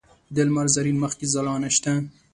د لمر زرین مخ کې ځلا نشته